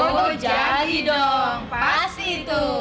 oh jadi dong pasti itu